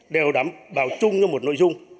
đều đảm bảo chung như một nội dung